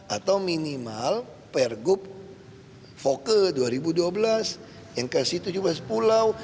atau minimal pergub foke dua ribu dua belas yang kasih tujuh belas pulau